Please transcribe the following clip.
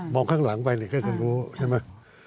มองข้างหลังไปไหนก็จะรู้ใช่มั้ย